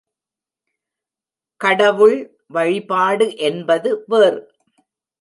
கடவுள் வழிபாடு என்பது வேறு.